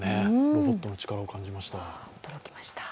ロボットの価値を感じました。